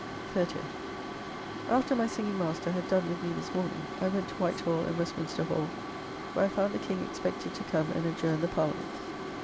30th. After my singing master had done with me this morning, I went to White Hall and Westminster Hall, where I found the King expected to come and adjourn the Parliament.